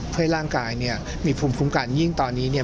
เพื่อให้ร่างกายเนี่ยมีภูมิคุ้มกันยิ่งตอนนี้เนี่ย